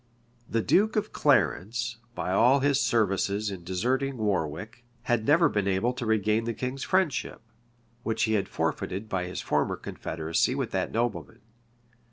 The duke of Clarence, by all his services in deserting Warwick, had never been able to regain the king's friendship, which he had forfeited by his former confederacy with that nobleman.